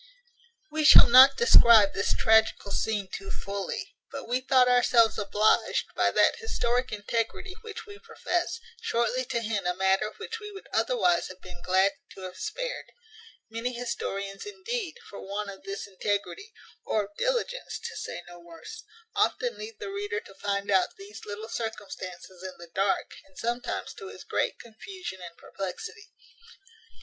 We shall not describe this tragical scene too fully; but we thought ourselves obliged, by that historic integrity which we profess, shortly to hint a matter which we would otherwise have been glad to have spared. Many historians, indeed, for want of this integrity, or of diligence, to say no worse, often leave the reader to find out these little circumstances in the dark, and sometimes to his great confusion and perplexity.